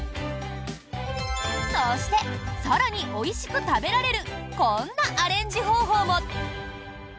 そして、更においしく食べられるこんなアレンジ方法も。